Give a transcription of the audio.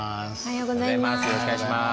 よろしくお願いします。